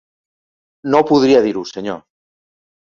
No podria dir-ho, senyor.